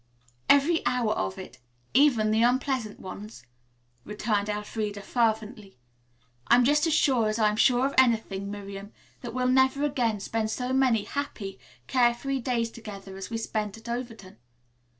"Every hour of it, even the unpleasant ones," returned Elfreda fervently. "I'm just as sure as I'm sure of anything, Miriam, that we'll never again spend so many happy, carefree days together as we spent at Overton.